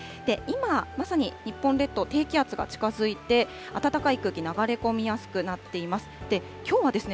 今、まさに日本列島、低気圧が近づいて、暖かい空気、流れ込みやすくなっています。